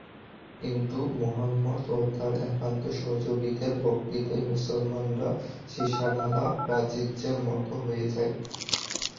কিন্তু মুহাম্মাদ ও তাঁর একান্ত সহযোগিদের বক্তৃতায় মুসলমানরা সীসাঢালা প্রাচীরের মত হয়ে যায়।